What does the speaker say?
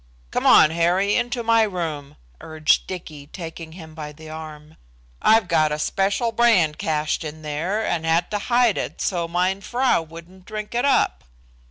"Come on, Harry, into my room," urged Dicky, taking him by the arm. "I've got a special brand cached in there, and had to hide it so mein frau wouldn't drink it up."